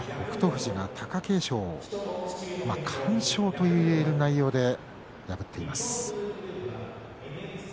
富士が貴景勝に完勝といえる内容で破っています。